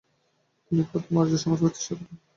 তিনি প্রথম আর্যসমাজ প্রতিষ্ঠা করেন।